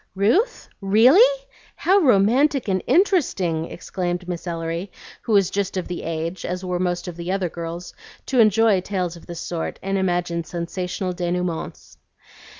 "Ruth? Really? How romantic and interesting!" exclaimed Miss Ellery, who was just of the age, as were most of the other girls, to enjoy tales of this sort and imagine sensational denouements.